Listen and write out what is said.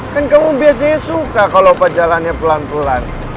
kan kamu biasanya suka kalau opa jalannya pelan pulan